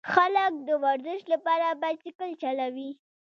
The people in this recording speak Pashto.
خلک د ورزش لپاره بایسکل چلوي.